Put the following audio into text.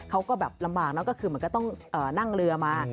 เขาก็แบบลำบากเนอะก็คือเหมือนก็ต้องนั่งเรือมา